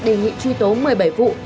đề nghị truy tố một mươi bảy vụ